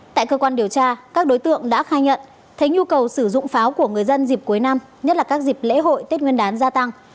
tại cơ quan điều tra các đối tượng đã khai nhận thấy nhu cầu sử dụng pháo của người dân dịp cuối năm nhất là các dịp lễ hội tết nguyên đán gia tăng